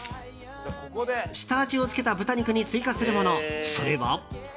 下味をつけた豚肉に追加するもの、それは。